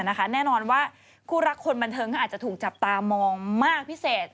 แน่นอนว่าคู่รักคนบันเทิงก็อาจจะถูกจับตามองมากพิเศษ